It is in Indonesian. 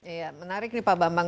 iya menarik nih pak bambang